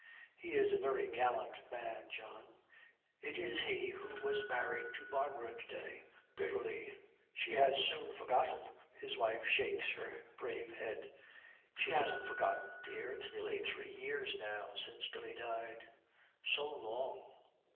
'He is a very gallant man, John. It is he who was married to Barbara to day.' Bitterly, 'She has soon forgotten.' His wife shakes her brave head. 'She hasn't forgotten, dear. And it's nearly three years now since Billy died.' 'So long!